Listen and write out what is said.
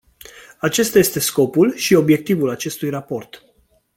Acesta este scopul și obiectivul acestui raport.